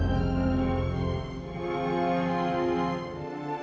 saya akan pergi